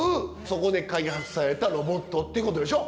そこで開発されたロボットってことでしょ。